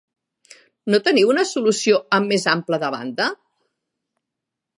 No teniu una solució amb més ample de banda?